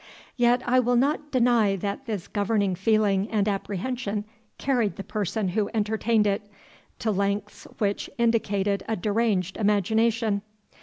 Yet I will not deny that this governing feeling and apprehension carried the person who entertained it, to lengths which indicated a deranged imagination.